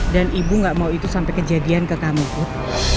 dan ibu gak mau itu sampai kejadian ke kamu put